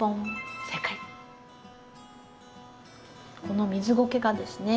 この水ごけがですね。